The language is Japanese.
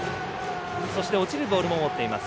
そして落ちるボールも持っています。